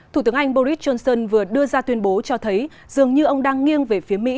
thủ tướng anh boris johnson vừa đưa ra tuyên bố cho thấy dường như ông đang nghiêng về phía mỹ